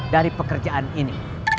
dari pekerjaan ini